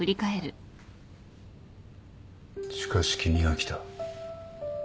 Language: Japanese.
しかし君が来た。